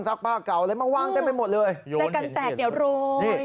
ใส่กันแตกเดี๋ยวโรย